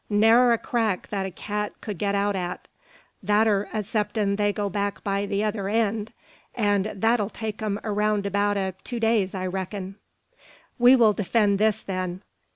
"Ne'er a crack that a cat kud get out at; that ur, 'ceptin' they go back by the other eend; an' that'll take them a round about o' two days, I reckin." "We will defend this, then.